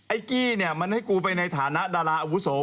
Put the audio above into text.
กี้เนี่ยมันให้กูไปในฐานะดาราอาวุโส